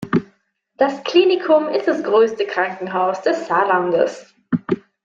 Das Klinikum ist das größte Krankenhaus des Saarlandes.